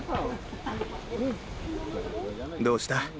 どうした？